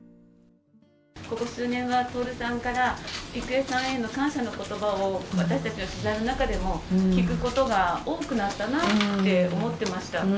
ここ数年は徹さんから、郁恵さんへの感謝のことばを、私たちは取材の中でも聞くことが多くなったなって思ってました。